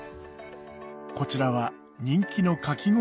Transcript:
こちらは人気のかき氷